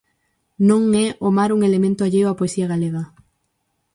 Non é o mar un elemento alleo á poesía galega.